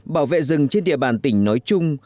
bảo vệ rừng trên địa bàn tỉnh nói chung